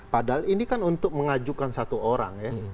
padahal ini kan untuk mengajukan satu orang ya